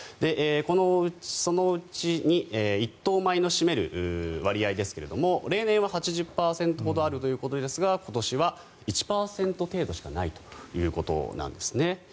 占める割合ですが例年は８０％ほどあるということですが今年は１％程度しかないということなんですね。